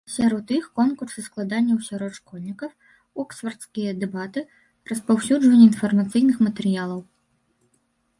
Сярод іх конкурсы складанняў сярод школьнікаў, оксфардскія дэбаты, распаўсюджванне інфармацыйных матэрыялаў.